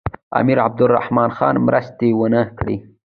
امیر عبدالرحمن خان مرستې ونه کړې.